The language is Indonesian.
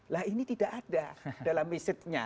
lah ini tidak ada dalam mesejnya